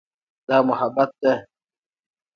دا محبت ده.